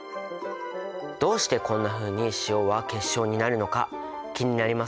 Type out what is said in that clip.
どうしてこんなふうに塩は結晶になるのか気になりますよね。